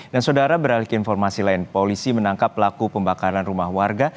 dan saudara beralih ke informasi lain polisi menangkap pelaku pembakaran rumah warga